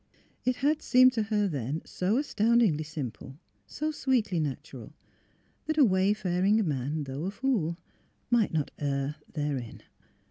It had seemed to her then so astoundingly simple, so sweetly natural that a wayfaring man, though a fool, might not err therein.